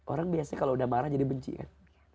orang biasanya kalau udah marah jadi benci kan